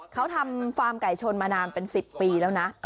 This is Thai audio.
เขาทำฟาร์มไก่ชนมานานเป็น๑๐ปีแล้วนะ